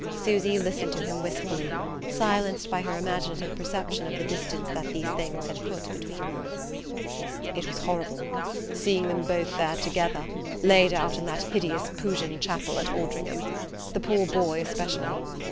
Susy listened to him wistfully, silenced by her imaginative perception of the distance that these things had put between them. "It was horrible... seeing them both there together, laid out in that hideous Pugin chapel at Altringham... the poor boy especially.